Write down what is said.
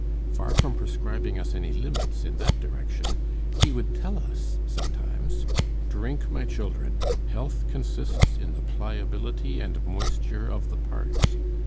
Far from prescribing us any limits in that direction, he would tell us sometimes: "Drink, my children; health consists in the pliability and moisture of the parts.